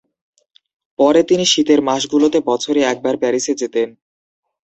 পরে তিনি শীতের মাসগুলোতে বছরে একবার প্যারিসে যেতেন।